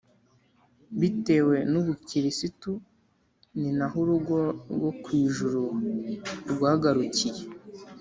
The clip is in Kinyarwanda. bitewe n'ubukirisitu, ni naho urugo rwo ku ijuru rwagarukiye,